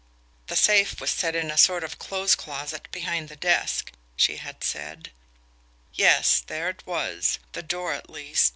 The safe was set in a sort of clothes closet behind the desk, she had said. Yes, there it was the door, at least.